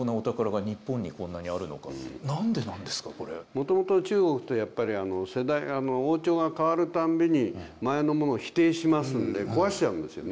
もともと中国ってやっぱり世代王朝がかわるたんびに前のものを否定しますんで壊しちゃうんですよね。